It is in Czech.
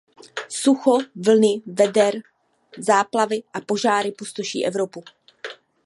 Sucho, vlny veder, záplavy a požáry pustoší Evropu.